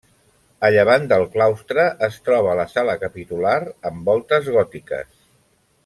A llevant del claustre es troba la sala capitular, amb voltes gòtiques.